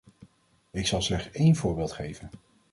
Ik zal slechts één voorbeeld geven.